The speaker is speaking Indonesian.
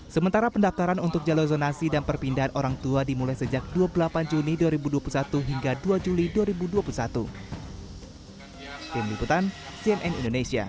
sementara pendaftaran untuk jalur zonasi dan perpindahan orang tua dimulai sejak dua puluh delapan juni dua ribu dua puluh satu hingga dua juli dua ribu dua puluh satu